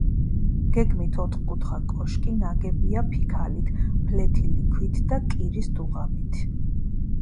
გეგმით ოთხკუთხა კოშკი ნაგებია ფიქალით, ფლეთილი ქვით და კირის დუღაბით.